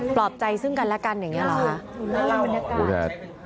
ปลอบใจซึ่งกันและกันอย่างนี้หรอคะ